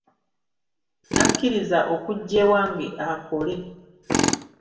N'akkiriza okujja ewange akole.